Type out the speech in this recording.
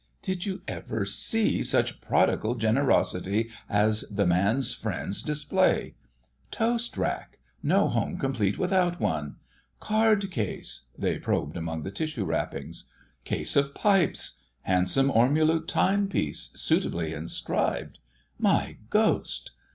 "Did you ever see such prodigal generosity as the man's friends display! Toast rack—no home complete without one—Card case!"—they probed among the tissue wrappings. "Case of pipes.... Handsome ormulu timepiece, suitably inscribed. My Ghost!